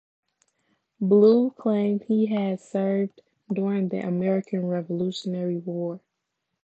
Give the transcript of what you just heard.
Blue claimed he had served during the American Revolutionary War.